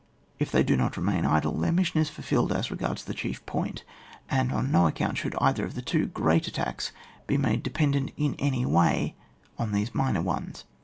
If they do not remain idle, their mission is fulfilled as regards the chief point, and on no account should either of the two great attacks be made de pendent in any way on these minor ones.